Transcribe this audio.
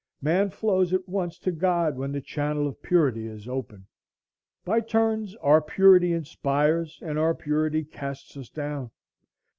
Man flows at once to God when the channel of purity is open. By turns our purity inspires and our impurity casts us down.